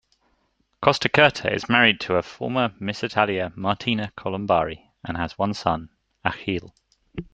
Costacurta is married to former Miss Italia Martina Colombari, and has one son, Achille.